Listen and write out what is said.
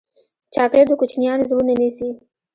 چاکلېټ د کوچنیانو زړونه نیسي.